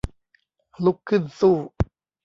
ลุกขึ้นสู้